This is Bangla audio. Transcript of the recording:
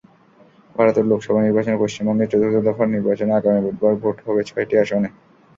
ভারতের লোকসভা নির্বাচনে পশ্চিমবঙ্গে চতুর্থ দফার নির্বাচনে আগামী বুধবার ভোট হবে ছয়টি আসনে।